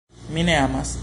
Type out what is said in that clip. "Mi ne amas."